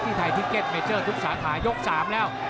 ไทยทิเก็ตเมเจอร์ทุกสาขายก๓แล้ว